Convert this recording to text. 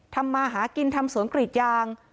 ทำมาหากินทำสวนกรีดยาง